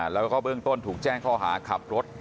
แล้วก็เบื้องต้นถูกแจ้งข้อหาขับรถ